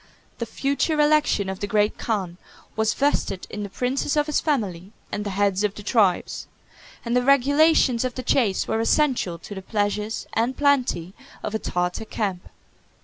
The future election of the great khan was vested in the princes of his family and the heads of the tribes; and the regulations of the chase were essential to the pleasures and plenty of a Tartar camp.